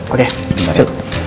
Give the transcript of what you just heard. oke silahkan pak